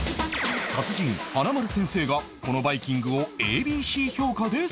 達人華丸先生がこのバイキングを ＡＢＣ 評価で採点